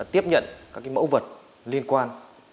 tiếp nhận các mẫu vật liên quan